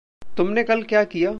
तुमने कल क्या किया?